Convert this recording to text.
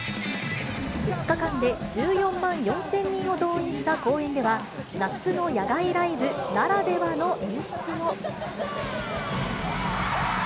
２日間で１４万４０００人を動員した公演では、夏の野外ライブならではの演出も。